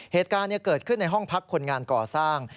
เหตุการณ์เกิดขึ้นในห้องพักคนงานก่อสร้าง